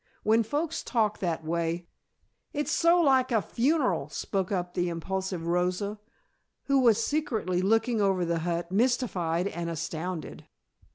When folks talk that way " "It's so like a funeral," spoke up the impulsive Rosa, who was secretly looking over the hut, mystified and astounded.